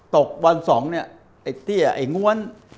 ตกบอล๒เนี่ยไอ้เตี้ยไอ้ง้วน